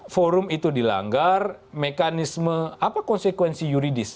forum itu dilanggar mekanisme apa konsekuensi yuridis